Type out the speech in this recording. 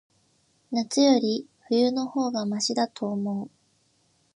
夏より、冬の方がましだと思う。